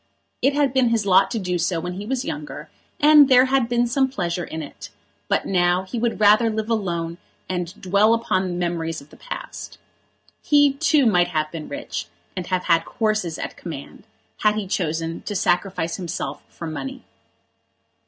It had been his lot to do so when he was younger, and there had been some pleasure in it; but now he would rather live alone and dwell upon the memories of the past. He, too, might have been rich, and have had horses at command, had he chosen to sacrifice himself for money.